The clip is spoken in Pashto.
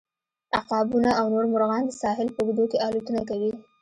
عقابونه او نور مرغان د ساحل په اوږدو کې الوتنه کوي